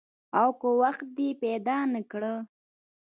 او که وخت دې پیدا نه کړ؟